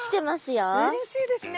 うれしいですね。